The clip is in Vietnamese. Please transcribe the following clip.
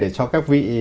để cho các vị